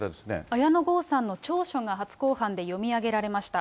綾野剛さんの調書が初公判で読み上げられました。